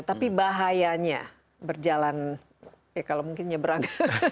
tapi bahayanya berjalan ya kalau mungkin nyebrang